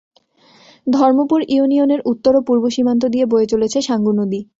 ধর্মপুর ইউনিয়নের উত্তর ও পূর্ব সীমান্ত দিয়ে বয়ে চলেছে সাঙ্গু নদী।